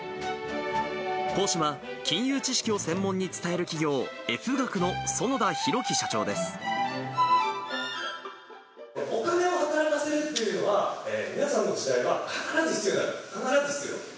講師は、金融知識を専門に伝える企業、お金を働かせるっていうのは、皆さんの時代は必ず必要になる、必ず必要になる。